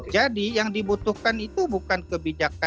jadi yang dibutuhkan itu bukan kebijakan